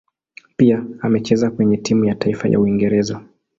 Pia amecheza kwenye timu ya taifa ya Uingereza.